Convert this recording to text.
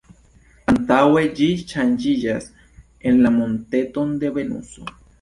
Antaŭe ĝi ŝanĝiĝas en la monteton de Venuso.